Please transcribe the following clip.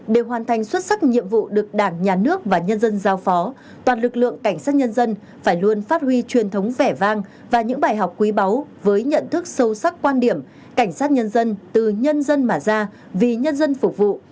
để hoàn thành xuất sắc nhiệm vụ được đảng nhà nước và nhân dân giao phó toàn lực lượng cảnh sát nhân dân phải luôn phát huy truyền thống vẻ vang và những bài học quý báu với nhận thức sâu sắc quan điểm cảnh sát nhân dân từ nhân dân mà ra vì nhân dân phục vụ